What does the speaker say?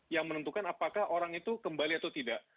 yang menentukan apakah orang itu kembali atau tidak